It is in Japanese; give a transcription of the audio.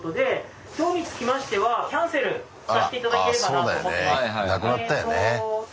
なくなったよね。